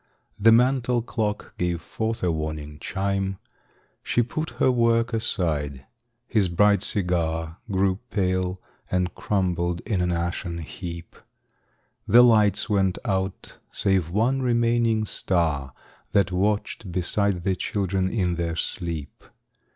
The mantel clock gave forth a warning chime. She put her work aside; his bright cigar Grew pale, and crumbled in an ashen heap. The lights went out, save one remaining star That watched beside the children in their sleep.